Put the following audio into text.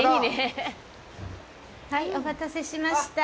お待たせしました。